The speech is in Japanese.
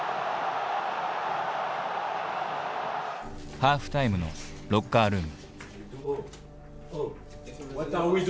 ハーフタイムのロッカールーム。